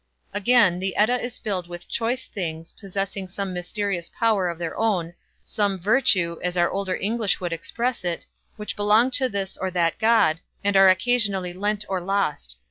Again, the Edda is filled with "choice things", possessing some mysterious power of their own, some "virtue", as our older English would express it, which belong to this or that god, and are occasionally lent or lost.